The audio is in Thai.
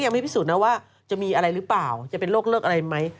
ไม่พิสูจนนะว่าจะมีอะไรหรือเปล่าจะเป็นโรคเลิกอะไรไหม